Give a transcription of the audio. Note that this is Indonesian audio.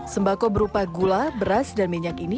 sembako berupa gula beras dan minyak ini